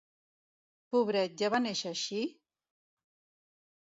Pobret, ja va néixer així?